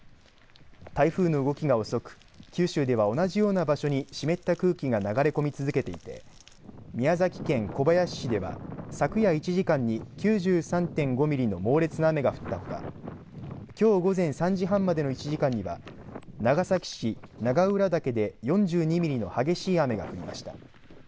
台風の動きが遅く九州では同じような場所に湿った空気が流れ込み続けていて宮崎県小林市では昨夜１時間に９３．５ミリの猛烈な雨が降ったほかきょう午前３時半までの１時間には長崎市長浦岳で４２ミリの激しい雨が降りました。